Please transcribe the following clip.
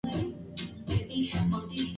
Pombe si kitu kizuri kutumia